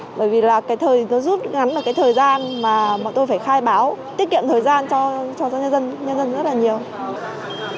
tiết kiệm thời gian cho nhân dân rất là nhiều